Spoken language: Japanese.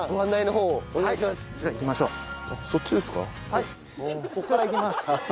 はいここから行きます。